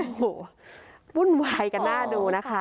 โอ้โหวุ่นวายกันน่าดูนะคะ